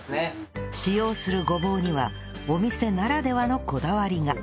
使用するごぼうにはお店ならではのこだわりが